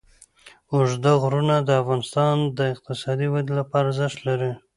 اوږده غرونه د افغانستان د اقتصادي ودې لپاره ارزښت لري.